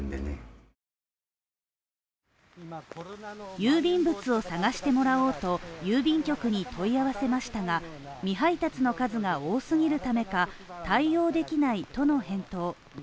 郵便物を探してもらおうと郵便局に問い合わせましたが、未配達の数が多過ぎるためか、対応できないとの返答。